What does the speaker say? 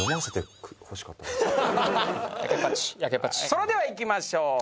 それではいきましょう。